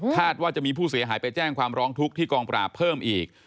ว่าจะมีผู้เสียหายไปแจ้งความร้องทุกข์ที่กองปราบเพิ่มอีก